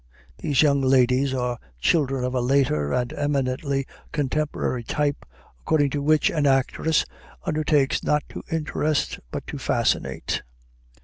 These young ladies are children of a later and eminently contemporary type, according to which an actress undertakes not to interest but to fascinate.